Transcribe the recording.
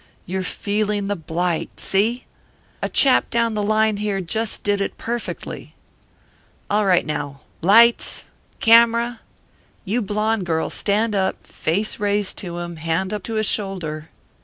You're feeling the blight, see? A chap down the line here just did it perfectly. All ready, now! Lights! Camera! You blonde girl, stand up, face raised to him, hand up to his shoulder.